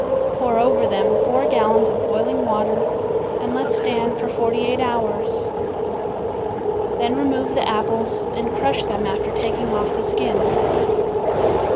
Pour over them four gallons of boiling water and let stand for forty eight hours. Then remove the apples and crush them after taking off the skins.